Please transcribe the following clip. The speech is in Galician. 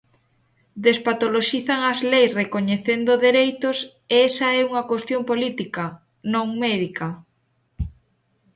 Despatoloxizan as leis recoñecendo dereitos, e esa é unha cuestión política, non médica.